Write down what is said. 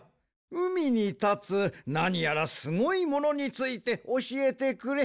うみにたつなにやらすごいものについておしえてくれ。